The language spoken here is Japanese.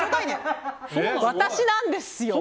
私なんですよ。